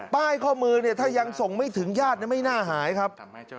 ข้อมือเนี่ยถ้ายังส่งไม่ถึงญาติไม่น่าหายครับ